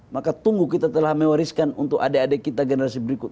maka tunggu kita telah mewariskan untuk adik adik kita generasi berikut